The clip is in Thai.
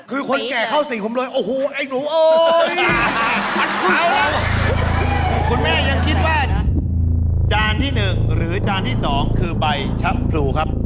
คุณแม่ยังคิดว่าจานที่๑หรือจานที่๒คือใบชะพรูครับ